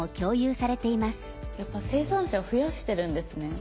やっぱ生産者増やしてるんですね